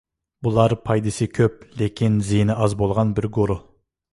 بۇلار پايدىسى كۆپ، لېكىن زىيىنى ئاز بولغان بىر گۇرۇھ.